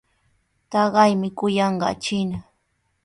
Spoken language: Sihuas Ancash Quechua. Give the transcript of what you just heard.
Taqaymi kuyanqaa chiina.